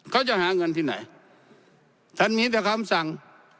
เขาจะหาเงินที่ไหนท่านมีแต่คำสั่ง